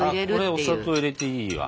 これお砂糖入れていいわ。